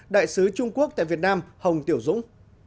đại sứ trung quốc tại việt nam hồng tiểu dũng